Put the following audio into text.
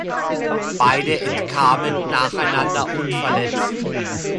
Beide entkamen nacheinander unverletzt.